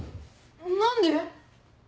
何で？